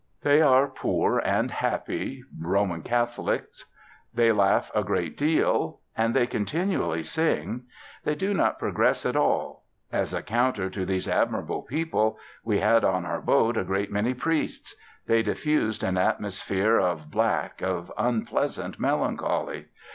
They are poor and happy, Roman Catholics; they laugh a great deal; and they continually sing. They do not progress at all. As a counter to these admirable people we had on our boat a great many priests. They diffused an atmosphere of black, of unpleasant melancholy.